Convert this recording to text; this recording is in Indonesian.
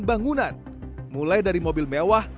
bangunan mulai dari mobil mewah